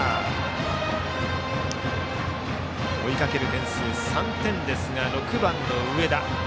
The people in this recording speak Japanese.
追いかける点数、３点ですが６番の上田。